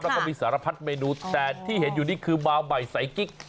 แล้วก็มีสารพัดเมนูแต่ที่เห็นอยู่นี่คือบาวใหม่ใส่กิ๊ก